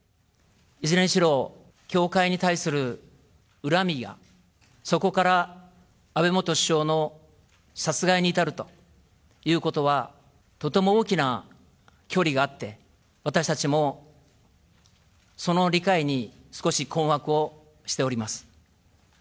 いずれにしろ、教会に対する恨みや、そこから安倍元首相の殺害に至るということはとても大きな距離があって、私たちもその理解に、少し困惑をしております。